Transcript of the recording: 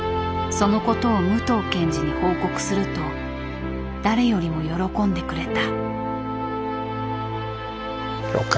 そのことを武藤検事に報告すると誰よりも喜んでくれた。